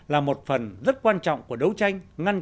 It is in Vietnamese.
là một phần rất quan trọng của đấu tranh